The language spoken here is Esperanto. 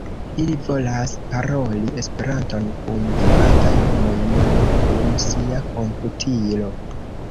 Ili volas paroli Esperanton kun vivantaj homoj, ne nur kun sia komputilo.